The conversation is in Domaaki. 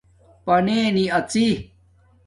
پننی اژئ